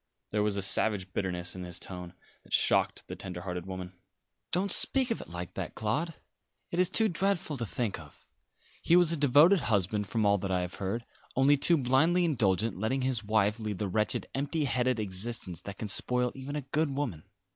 There was a savage bitterness in his tone that shocked the tender hearted woman. "Don't speak of it like that, Claude. It is too dreadful to think of. He was a devoted husband, from all that I have heard; only too blindly indulgent, letting his wife lead the wretched, empty headed existence that can spoil even a good woman."